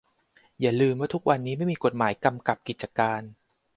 อย่าลืมว่าทุกวันนี้ไม่มีกฎหมายกำกับกิจการ